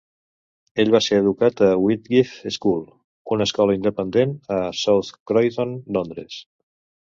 Ell va ser educat a Whitgift School, una escola independent a South Croydon, Londres.